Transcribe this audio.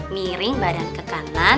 miring badan ke kanan